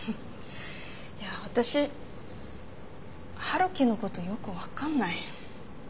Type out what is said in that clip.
いや私陽樹のことよく分かんない。